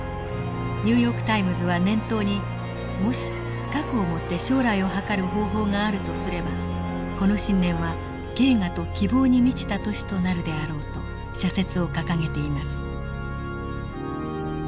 「ニューヨーク・タイムズ」は年頭に「もし過去をもって将来をはかる方法があるとすればこの新年は慶賀と希望に満ちた年となるであろう」と社説を掲げています。